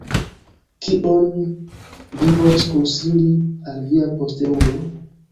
Kion vi volus konsili al via posteulo?